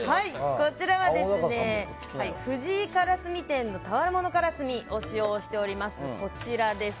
こちらは、藤井からすみ店の俵物からすみを使用しております。